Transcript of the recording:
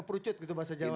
itu lucut gitu bahasa jawa